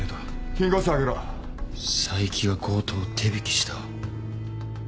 金庫室開けろ佐伯が強盗を手引きした。